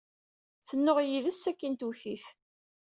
Tennuɣ yid-s sakkin twet-it.